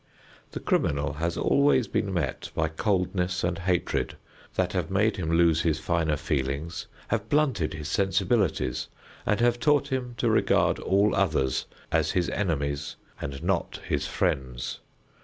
The criminal has always been met by coldness and hatred that have made him lose his finer feelings, have blunted his sensibilities, and have taught him to regard all others as his enemies and not his friends.